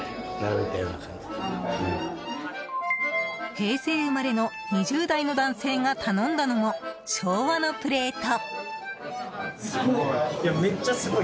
平成生まれの２０代の男性が頼んだのも昭和のプレート。